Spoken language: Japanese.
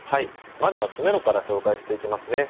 まずは詰めろから紹介していきますね。